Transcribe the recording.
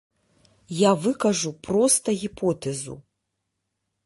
Я выкажу проста гіпотэзу.